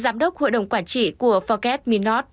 giám đốc hội đồng quản trị của forget me not